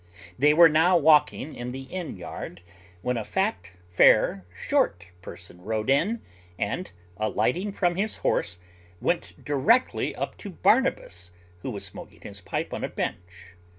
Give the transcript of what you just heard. They were now walking in the inn yard, when a fat, fair, short person rode in, and, alighting from his horse, went directly up to Barnabas, who was smoaking his pipe on a bench.